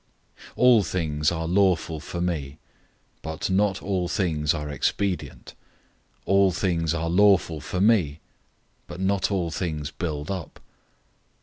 010:023 "All things are lawful for me," but not all things are profitable. "All things are lawful for me," but not all things build up.